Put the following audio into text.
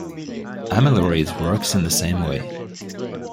Amiloride works in the same way.